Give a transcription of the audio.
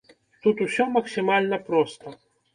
Тут усё максімальна проста.